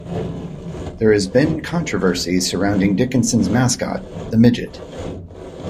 There has been controversy surrounding Dickinson's mascot, the Midget.